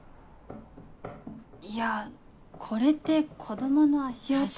いやこれって子供の足音。